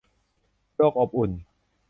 โลกอบอุ่น